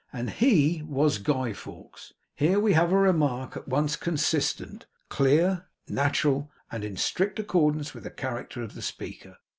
And HE was Guy Fawkes.' Here we have a remark at once consistent, clear, natural, and in strict accordance with the character of the speaker.